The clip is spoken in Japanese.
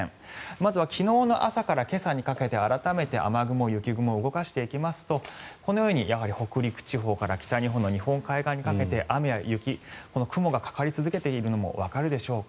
まずは昨日の朝から今朝にかけて改めて雨雲、雪雲を動かしていきますとこのように北陸地方から北日本の日本海側にかけて雨や雪この雲がかかり続けているのもわかるでしょうか。